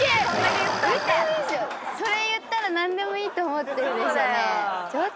それ言ったら何でもいいと思ってるでしょ。